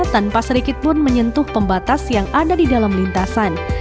tanpa sedikitpun menyentuh pembatas yang ada di dalam lintasan